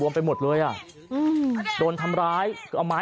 ก็ได้พลังเท่าไหร่ครับ